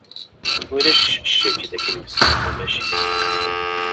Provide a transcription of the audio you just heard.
Ulac ccekk d akken yezgel tamacint.